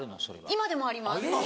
今でもあります。